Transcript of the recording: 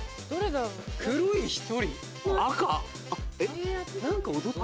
黒い１人？